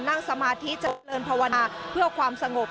นั่งสมาธิเจริญภาวนาเพื่อความสงบ